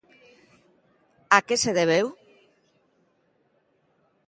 A que se debeu?